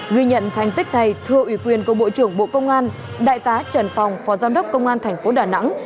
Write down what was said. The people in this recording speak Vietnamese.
ghi nhận thành tích này thưa ủy quyền của bộ trưởng bộ công an đại tá trần phòng phó giám đốc công an thành phố đà nẵng